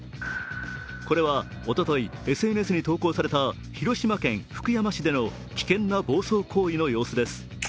これは、おとといＳＮＳに投稿された広島県福山市での危険な暴走行為の様子です。